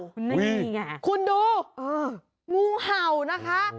นี่ไงคุณดูงูเห่านะคะ